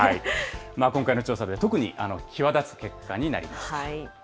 今回の調査では特に際立つ結果になりました。